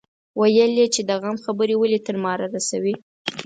ويل يې چې د غم خبرې ولې تر ما رارسوي.